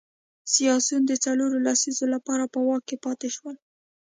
سیاسیون د څلورو لسیزو لپاره په واک کې پاتې شول.